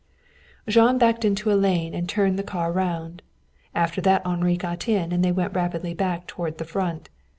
Jean backed into a lane and turned the car round. After that Henri got in and they went rapidly back toward the Front.